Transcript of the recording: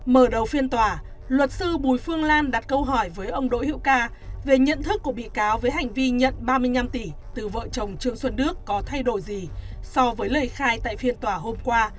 mở đầu phiên tòa luật sư bùi phương lan đặt câu hỏi với ông đỗ hữu ca về nhận thức của bị cáo với hành vi nhận ba mươi năm tỷ từ vợ chồng trương xuân đức có thay đổi gì so với lời khai tại phiên tòa hôm qua